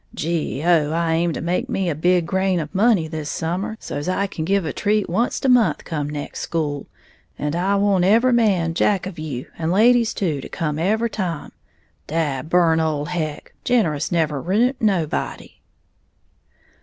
Gee oh, I aim to make me a big grain of money this summer, so's I can give a treat onct a month come next school; and I want every man jack of you, and ladies too, to come every time. Dad burn ole Heck, generous never ruint nobody!"